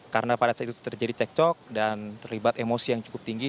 karena pada saat itu terjadi cekcok dan terlibat emosi yang cukup tinggi